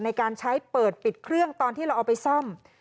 ในการใช้เปิดปิดเครื่องตอนที่เราเอาไปซ่อม